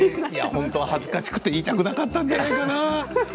本当は恥ずかしくて言いたくなかったんじゃないのかな？